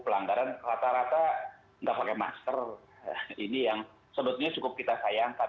pelanggaran rata rata nggak pakai masker ini yang sebetulnya cukup kita sayangkan